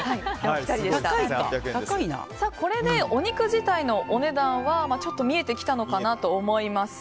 これでお肉自体のお値段は見えてきたのかなと思います。